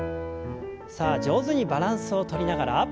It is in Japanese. さあ上手にバランスをとりながら。